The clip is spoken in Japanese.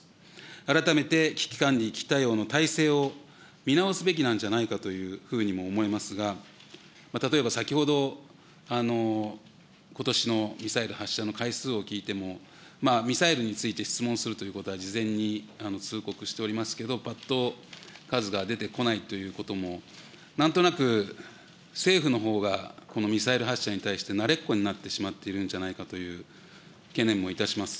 改めて、危機管理、危機対応の体制を見直すべきなんじゃないかというふうにも思いますが、例えば先ほど、ことしのミサイル発射の回数を聞いても、ミサイルについて質問するということは、事前に通告しておりますけれども、ぱっと数が出てこないということも、なんとなく、政府のほうがこのミサイル発射に対して慣れっこになってしまっているんじゃないかという懸念もいたします。